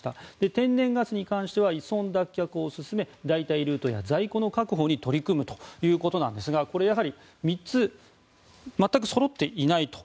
天然ガスに関しては依存脱却を進め代替ルートや在庫の確保に取り組むということなんですがやはり３つ全くそろっていないと。